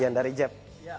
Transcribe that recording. yang dari jab